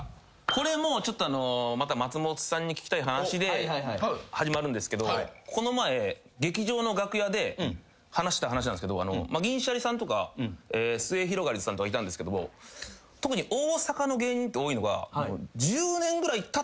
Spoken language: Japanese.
これまた松本さんに聞きたい話で始まるんですけどこの前劇場の楽屋で話してた話なんですけど銀シャリさんとかすゑひろがりずさんとかいたんですけども特に大阪の芸人って多いのが。